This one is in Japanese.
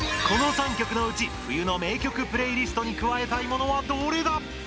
この３曲のうち冬の名曲プレイリストに加えたいものはどれだ？